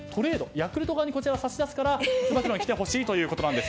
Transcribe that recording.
ヤクルト側に差し出すからつば九郎に来てほしいということなんです。